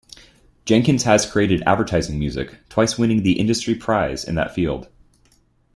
Jenkins has created advertising music, twice winning the industry prize in that field.